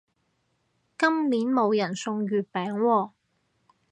今年冇人送月餅喎